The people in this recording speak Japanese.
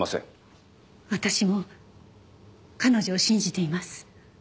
私も彼女を信じています。